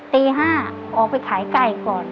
ตี๕ออกไปขายไก่ก่อน